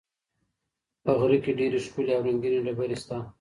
په غره کې ډېرې ښکلې او رنګینې ډبرې شته.